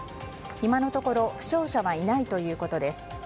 今のところ負傷者はいないということです。